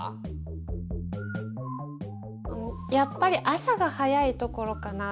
やっぱり朝が早いところかな。